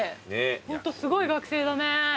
ホントすごい学生だね。